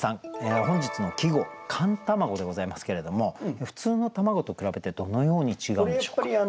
本日の季語「寒卵」でございますけれども普通の卵と比べてどのように違うんでしょうか？